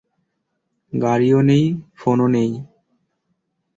গাড়িও নেই, ফোনও নেই।